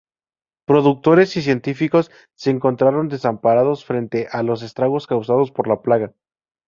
Productores y científicos se encontraron desamparados frente a los estragos causados por la plaga.